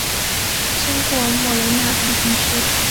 经过莫雷纳等城市。